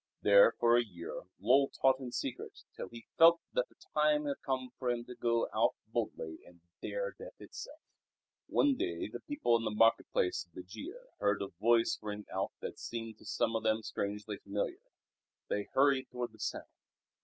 There for a year Lull taught in secret till he felt that the time had come for him to go out boldly and dare death itself. One day the people in the market place of Bugia heard a voice ring out that seemed to some of them strangely familiar. They hurried toward the sound.